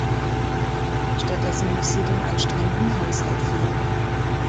Stattdessen muss sie den anstrengenden Haushalt führen.